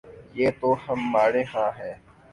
یہ تو ہمارے ہاں ہے۔